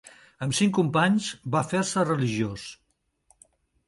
Amb cinc companys, va fer-se religiós.